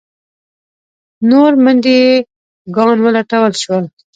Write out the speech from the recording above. نور منډیي ګان ولټول شول.